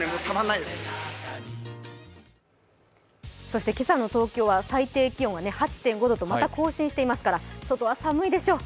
そして今朝の東京は最低気温が８．５度とまた更新していますから、外は寒いでしょう。